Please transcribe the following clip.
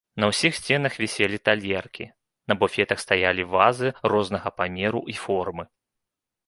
На ўсіх сценах віселі талеркі, на буфетах стаялі вазы рознага памеру і формы.